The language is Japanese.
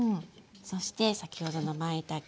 そして先ほどのまいたけ。